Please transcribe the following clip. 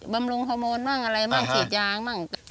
บำรุงฮอร์โมนบ้างอะไรบ้างขีดยางบ้างอ่าฮะ